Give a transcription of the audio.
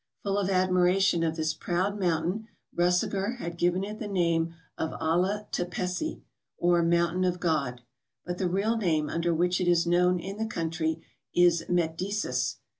Full of admiration of this proud mountain, Eussegger had given it the name of Allah Tepessi, or mountain of Grod; but the real name under which it is known in the country is Metdesis.